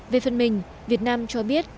về phân mình việt nam cho biết